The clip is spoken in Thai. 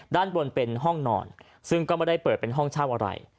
ด้านบนเป็นห้องนอนซึ่งก็ไม่ได้เปิดเป็นห้องเช่าอะไร